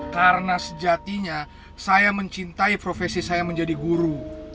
karena sejatinya saya mencintai profesi saya menjadi guru